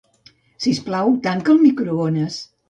Sisplau, tanca el microones.